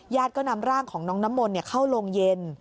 ก็นำร่างของน้องน้ำมนต์เข้าโรงเย็น